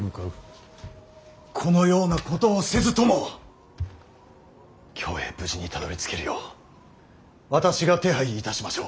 このようなことをせずとも京へ無事にたどりつけるよう私が手配いたしましょう。